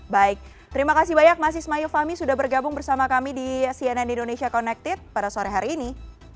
baik terima kasih banyak mas ismail fahmi sudah bergabung bersama kami di cnn indonesia connected pada sore hari ini